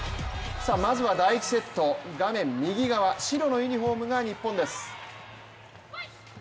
まずは第１セット、画面右側、白のユニフォームが日本です。